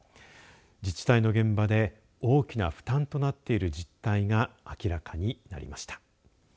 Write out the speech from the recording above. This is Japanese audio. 自治体の現場で大きな負担となっている実態が明らかになりました。